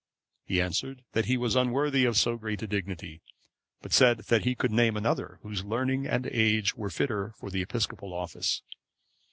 He answered, that he was unworthy of so great a dignity, but said that he could name another, whose learning and age were fitter for the episcopal office.